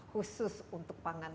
khusus untuk pangan